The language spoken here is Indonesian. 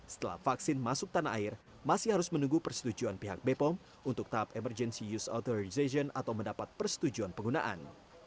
setelah vaksin masuk tanah air masih harus menunggu persetujuan pihak bepom untuk tahap emergency use authorization atau mendapat persetujuan penggunaan